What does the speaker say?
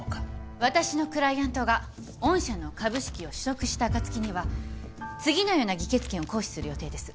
私のクライアントが御社の株式を取得した暁には次のような議決権を行使する予定です。